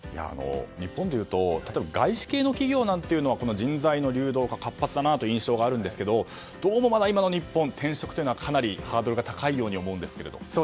日本でいうと例えば外資系の企業というのは人材の流動が活発だなという印象があるんですがどうもまだ今の日本転職というのはハードルが高いように思えるんですが。